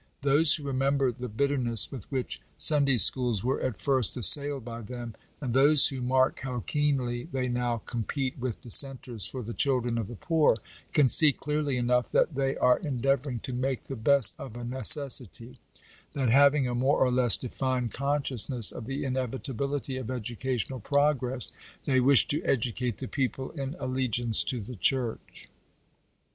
Those who remember the bitterness with which Sun day schools were at first assailed by them; and those who mark how keenly they now compete with dissenters for the children of the poor, can see clearly enough that they are endeavouring to make the best of a necessity — that, having a more or less defined consciousness of the inevitability of educational progress, they wish to educate the people in alle giance to the Church.